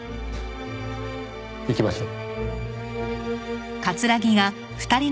行きましょう。